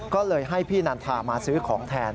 ก็เลยให้พี่นันทามาซื้อของแทน